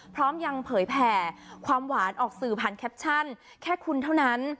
พร้อมยังเผยแผ่ความหวานออกสื่อผ่านแคปชั่นแค่คุณเท่านั้น